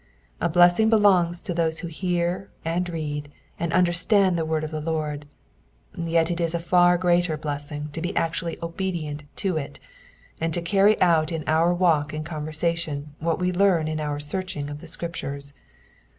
A blessing belongs to those who hear and read and understand the word of the Lord ; yet is it a far greater blessing to be actually obedient to it, and to carry out in our walk and conversation what we learn in our searching of the Scriptures.